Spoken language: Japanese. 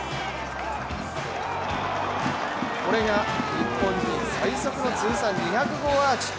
これが日本人最速の通算２００号アーチ。